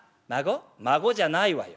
「マゴじゃないわよ。